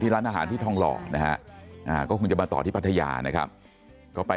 ร้านอาหารที่ทองหล่อนะฮะก็คงจะมาต่อที่พัทยานะครับก็ไป